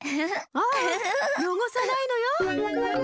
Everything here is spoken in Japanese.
あよごさないのよ。